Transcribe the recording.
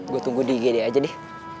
gue tunggu di igd aja deh